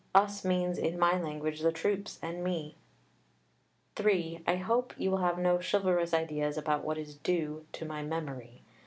"Us" means in my language the troops and me. (3) I hope you will have no chivalrous ideas about what is "due" to my "memory."